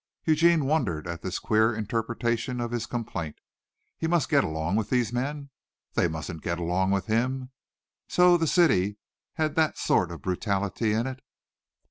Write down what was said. Eugene wondered at this queer interpretation of his complaint. He must get along with these men? They musn't get along with him? So the city had that sort of brutality in it.